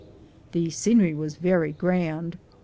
The scenery was very grand.